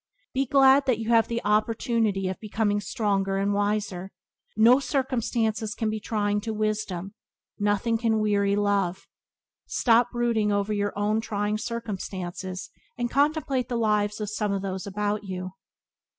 Be glad that you have the opportunity of becoming stronger and wiser. No circumstances can be trying to wisdom; nothing can weary love. Stop brooding over your own trying circumstances and contemplate the lives of some of those about you.